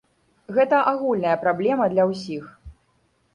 Гэта агульная праблема для ўсіх.